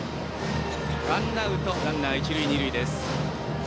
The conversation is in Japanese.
ワンアウトランナー、一塁二塁です。